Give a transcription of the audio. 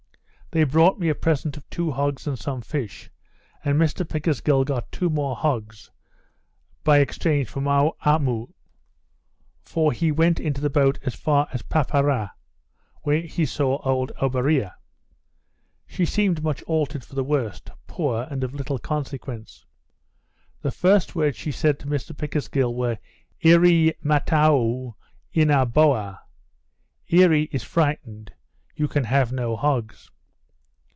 They brought me a present of two hogs and some fish; and Mr Pickersgill got two more hogs, by exchange, from Oamo; for he went in the boat as far as Paparra, where he saw old Oberea. She seemed much altered for the worse, poor, and of little consequence. The first words she said to Mr Pickersgill were, Earee mataou ina boa, Earee is frightened, you can have no hogs.